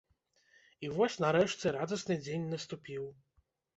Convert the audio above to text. І вось нарэшце радасны дзень наступіў.